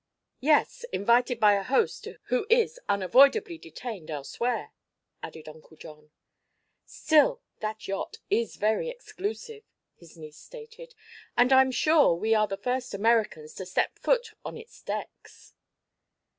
"Yes, invited by a host who is unavoidably detained elsewhere," added Uncle John. "Still, that yacht is very exclusive," his niece stated, "and I'm sure we are the first Americans to step foot on its decks."